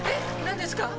何ですか？